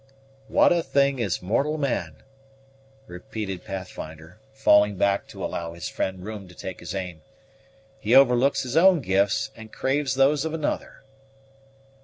"What a thing is mortal man!" repeated Pathfinder, falling back to allow his friend room to take his arm; "he overlooks his own gifts, and craves those of another!"